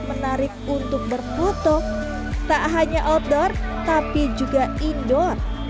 menarik untuk berfoto tak hanya untuk menikmati tempat yang menarik tetapi juga untuk menikmati tempat yang menarik untuk berfoto